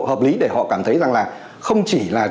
hợp lý để họ cảm thấy rằng là không chỉ là